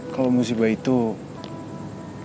kalau musibah itu sampai jumpa